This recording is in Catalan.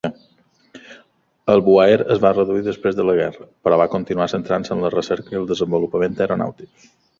El BuAer es va reduir després de la guerra, però va continuar centrant-se en la recerca i el desenvolupament aeronàutic.